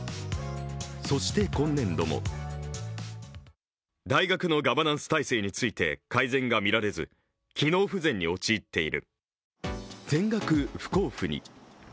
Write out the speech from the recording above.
そして今年度も全額不交付に。